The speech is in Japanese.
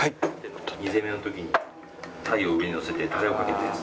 ２膳目の時に鯛を上にのせてタレをかけてですね